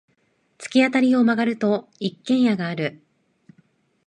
突き当たりを曲がると、一軒家がある。